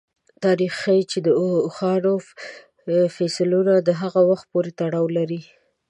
تاریخ ښيي چې د اوښانو فسیلونه هغه وخت پورې تړاو لري.